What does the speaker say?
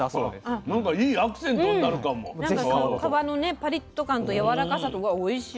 パリッと感とやわらかさとがおいしい。